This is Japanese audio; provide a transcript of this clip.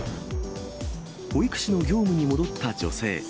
保育士の業務に戻った女性。